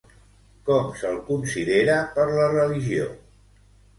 Com se'l considera per la religió?